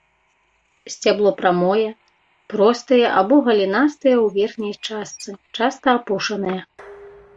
Сцябло прамое, простае або галінастае ў верхняй частцы, часта апушанае.